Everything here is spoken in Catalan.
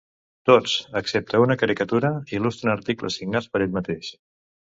Tots, excepte una caricatura, il·lustren articles signats per ell mateix.